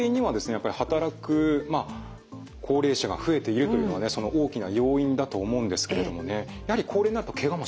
やっぱり働く高齢者が増えているというのがねその大きな要因だと思うんですけれどもねやはり高齢になるとケガもしやすいんですかね。